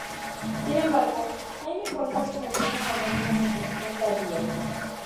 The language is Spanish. Sin embargo, hay mejores argumentos a favor de una composición tardía.